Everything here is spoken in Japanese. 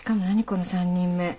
この３人目。